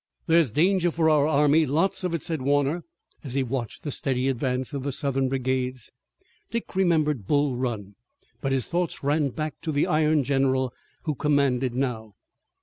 "There's danger for our army! Lots of it!" said Warner, as he watched the steady advance of the Southern brigades. Dick remembered Bull Run, but his thoughts ran back to the iron general who commanded now.